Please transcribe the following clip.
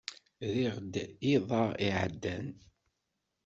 Rriɣ-d iḍ-a iɛeddan.